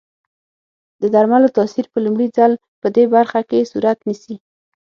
د درملو تاثیر په لومړي ځل پدې برخه کې صورت نیسي.